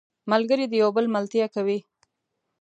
ملګری د یو بل ملتیا کوي